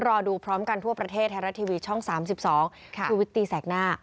รอดูพร้อมกันทั่วประเทศไทยรัฐทีวีช่อง๓๒ชุวิตตีแสกหน้า